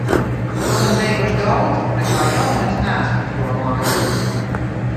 To gan teikuši daudzi un nekā jauna es neesmu izdomājusi.